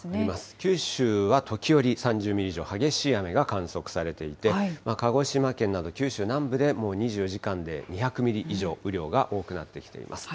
九州は時折３０ミリ以上、激しい雨が観測されていて、鹿児島県など九州南部でもう２４時間で２００ミリ以上、雨量が多くなってきています。